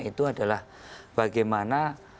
itu adalah bagaimana